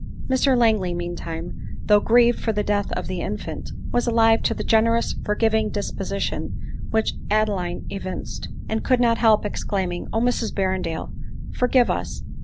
Mr Langley, mean time, though grieved for the death of the infant, was alive to the generous forgiving disposi tion which Adeline evinced ; and could not help ex claiming, " Oh, Mrs Berrendale ! forgive us